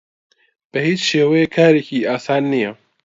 بە هیچ شێوەیەک کارێکی ئاسان نییە.